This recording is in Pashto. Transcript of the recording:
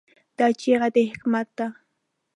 دا چیغه د حکمت ده.